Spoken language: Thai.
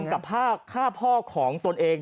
ฆ่าแม่บุญธรรมกับฆ่าพ่อของตัวเอง